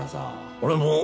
俺も。